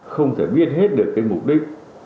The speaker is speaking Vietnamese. không thể biết hết được cái mục đích